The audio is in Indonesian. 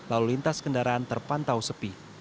lalu lintas kendaraan terpantau sepi